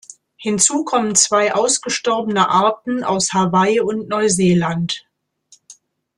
Hinzu kommen zwei ausgestorbene Arten aus Hawaii und Neuseeland.